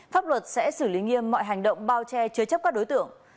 pháp luật sẽ xử lý nghiêm mọi hành động bao che chứa chấp các đối tượng